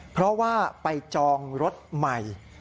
เพราะว่าไปจองรถใหม่